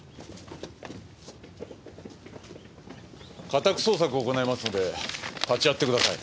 家宅捜索を行いますので立ち会ってください。